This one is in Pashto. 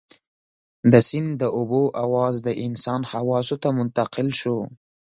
د سيند د اوبو اواز د انسان حواسو ته منتقل شو.